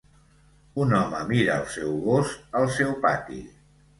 Un home mira el seu gos al seu pati.